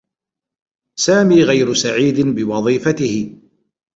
سامي غير سعيد بوظيفته.